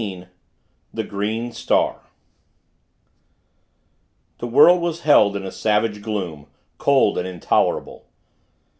XVIII THE GREEN STAR The world was held in a savage gloom cold and intolerable.